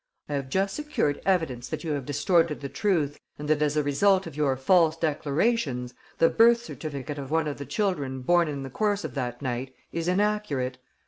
I have just secured evidence that you have distorted the truth and that, as the result of your false declarations, the birth certificate of one of the children born in the course of that night is inaccurate.